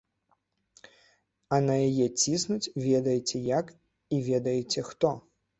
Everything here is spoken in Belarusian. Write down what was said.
А на яе ціснуць ведаеце як і ведаеце хто.